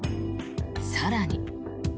更に。